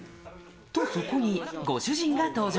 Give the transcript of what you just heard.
とそこに、ご主人が登場。